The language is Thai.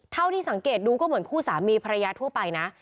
เท่าที่สังเกตดูก็เหมือนคู่สามีภรรยาทั่วไปนะ